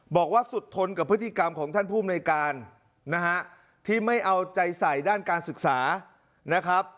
บอกว่าสุดทนกับพฤติกรรมของท่านภูมิในการนะฮะที่ไม่เอาใจใส่ด้านการศึกษานะครับ